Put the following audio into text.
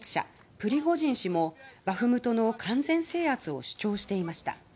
プリゴジン氏もバフムトの完全制圧を主張していました。